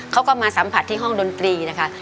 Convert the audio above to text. เขาก็มาสัมผัสที่ห้องดนตรีนะคะ